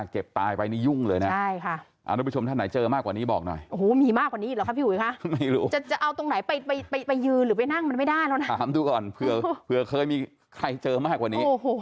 เจ็บตายไปในยุ่งเลยนะนะคะท่าน